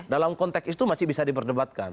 dalam konteks itu masih bisa diperdebatkan